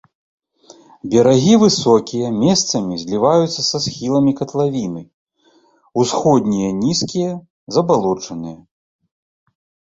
Берагі высокія, месцамі зліваюцца са схіламі катлавіны, усходнія нізкія, забалочаныя.